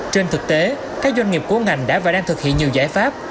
trên thực tế các doanh nghiệp của ngành đã và đang thực hiện nhiều giải pháp